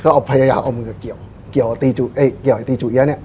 เขาเอาพยายามเอามือเกี่ยวเกี่ยวเอ่ยเกี่ยวไอ้ตีจุเยี๊ยะเนี้ย